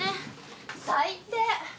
最低！